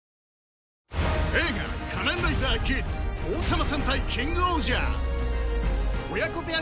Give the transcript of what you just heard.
映画『仮面ライダーギーツ』『王様戦隊キングオージャー』